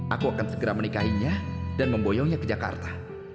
aku akan segera menikahinya dan memboyongnya ke jakarta